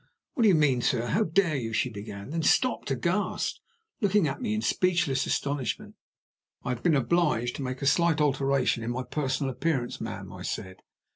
"What do you mean, sir? How dare you " she began; then stopped aghast, looking at me in speechless astonishment. "I have been obliged to make a slight alteration in my personal appearance, ma'am," I said.